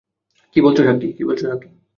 কি বলছ সাক্ষী?